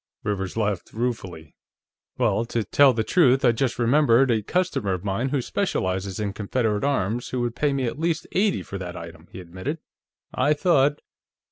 Rivers laughed ruefully. "Well, to tell the truth, I just remembered a customer of mine who specializes in Confederate arms, who would pay me at least eighty for that item," he admitted. "I thought..."